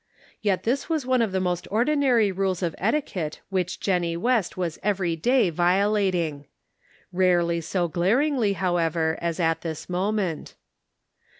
Yet this was one of the most ordinary rules of etiquette which Jennie West was every day violating. 208 The Pocket Measure. Rarely so glaringly, however, as at this moment.